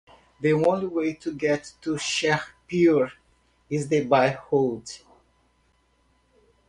The only way to get to Shair Pur is by road.